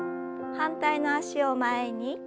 反対の脚を前に。